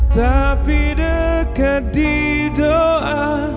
tapi dekat di doa